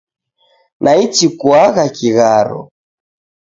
Naichi kuagha kigharo